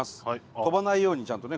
飛ばないようにちゃんとね